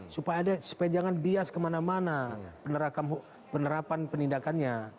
supaya ada sepenjangan bias kemana mana penerapan penindakannya